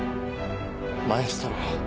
マエストロ。